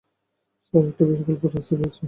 Sir, একটা বিকল্প রাস্তা পেয়েছি!